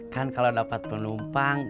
kan kalau dapat penumpang